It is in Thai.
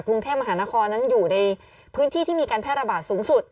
กรุงเทพมหานครนั้นอยู่ในพื้นที่ที่มีการแพร่ระบาดสูงสุด